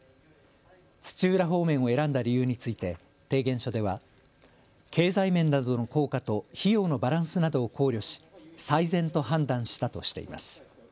土浦方面を選んだ理由について提言書では経済面などの効果と費用のバランスなどを考慮し最善と判断したとしています。